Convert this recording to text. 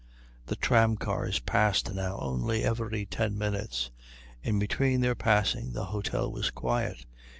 The tramcars passed now only every ten minutes. In between their passing the hôtel was quiet.